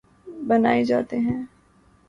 بنائے جاتے ہیں